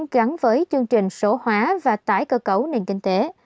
tăng trưởng gắn với chương trình số hóa và tải cơ cấu nền kinh tế